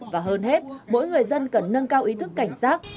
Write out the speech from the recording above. và hơn hết mỗi người dân cần nâng cao ý thức cảnh giác